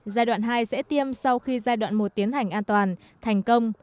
giai đoạn hai sẽ tiêm sau khi giai đoạn một tiến hành an toàn thành công